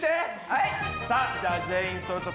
はい。